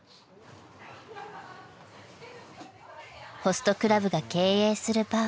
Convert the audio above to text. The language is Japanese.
［ホストクラブが経営するバー］